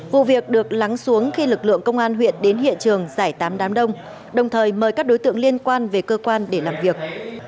vụ việc được lắng xuống khi lực lượng công an huyện đến hiện trường giải tám đám đông đồng thời mời các đối tượng liên quan về cơ quan để làm việc